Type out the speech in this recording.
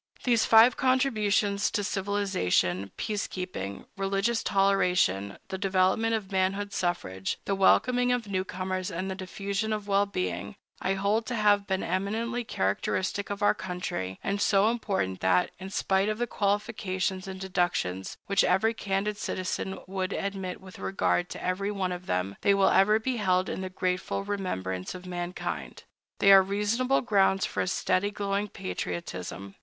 These five contributions to civilization—peace keeping, religious toleration, the development of manhood suffrage, the welcoming of newcomers, and the diffusion of wellbeing—I hold to have been eminently characteristic of our country, and so important that, in spite of the qualifications and deductions which every candid citizen would admit with regard to every one of them, they will ever be held in the grateful remembrance of mankind. They are reasonable grounds for a steady, glowing patriotism.